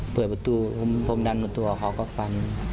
เปิดประตูผมดันประตูเขาก็ฟัน